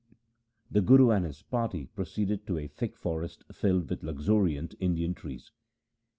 The Guru and his party proceeded to a thick forest filled with luxuriant Indian trees.